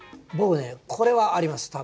僕ねこれはあります